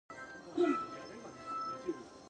ｆｗｆ ぉ